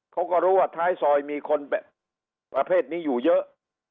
เขาก็รู้ว่าท้ายซอยมีคนประเภทนี้อยู่เยอะ